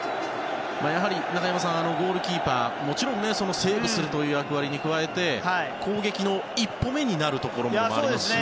やはり中山さんゴールキーパーはもちろんセーブするという役割に加えて攻撃の一歩目になるところでもありますし。